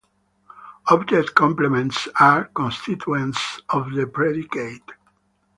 Object complements are constituents of the predicate.